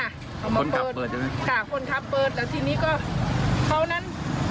เอามาเปิดเปิดใช่ไหมค่ะคนขับเปิดแล้วทีนี้ก็เขานั้น